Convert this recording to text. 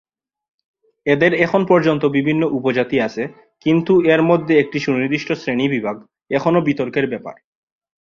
এদের এখন পর্যন্ত বিভিন্ন উপজাতি আছে কিন্তু এর মধ্যে একটি সুনির্দিষ্ট শ্রেণীবিভাগ এখনও বিতর্কের ব্যাপার।